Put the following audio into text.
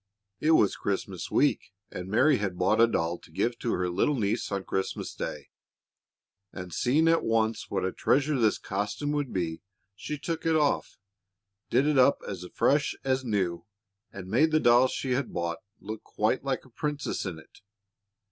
It was Christmas week, and Mary had bought a doll to give to her little niece on Christmas day, and seeing at once what a treasure this costume would be, she took it off, did it up as fresh as new, and made the doll she had bought look quite like a princess in it.